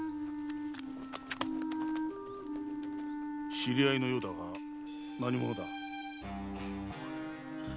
知り合いのようだが何者だ？